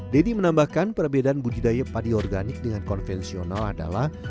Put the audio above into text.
deddy menambahkan perbedaan budidaya padi organik dengan konvensional adalah